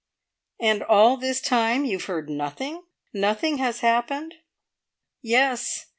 "And all this time you have heard nothing? Nothing has happened?" "Yes.